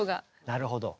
なるほど。